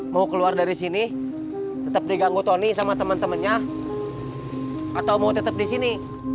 mau keluar dari sini tetap diganggu tony sama teman temannya atau mau tetap di sini